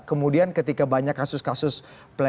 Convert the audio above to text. kemudian ketika banyak kasus kasus pelecehan seksual yang terjadi